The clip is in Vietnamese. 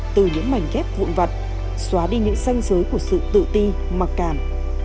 từ những mảnh ghép vụn vật xóa đi những xanh giới của sự tự ti mặc cảm